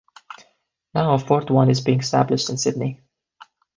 Now a fourth one is being established in Sydney.